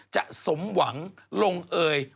สมหวังลงเอย